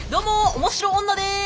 面白女です！」